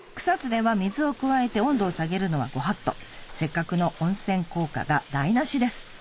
草津では水を加えて温度を下げるのはご法度せっかくの温泉効果が台無しです